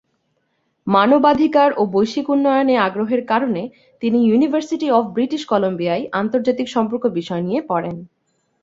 মানবাধিকার ও বৈশ্বিক উন্নয়নে আগ্রহের কারণে তিনি ইউনিভার্সিটি অব ব্রিটিশ কলাম্বিয়ায় আন্তর্জাতিক সম্পর্ক বিষয় নিয়ে পড়েন।